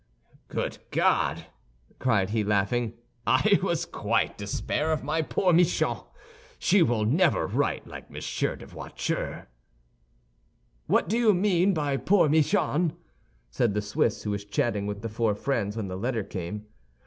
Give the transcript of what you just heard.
"Good God!" cried he, laughing, "I quite despair of my poor Michon; she will never write like Monsieur de Voiture." "What does you mean by boor Michon?" said the Swiss, who was chatting with the four friends when the letter came.